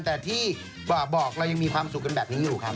แต่ที่บอกเรายังมีความสุขกันแบบนี้อยู่ครับ